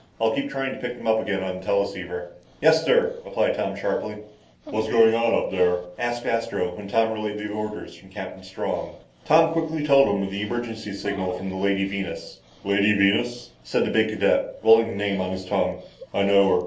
I'll keep trying to pick them up again on the teleceiver." "Yes, sir," replied Tom sharply. "What's going on up there?" asked Astro, when Tom had relayed the orders from Captain Strong. Tom quickly told him of the emergency signal from the Lady Venus. "_Lady Venus _" said the big cadet, rolling the name on his tongue, "I know her.